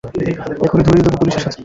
এখনই ধরিয়ে দেব পুলিসের হাতে।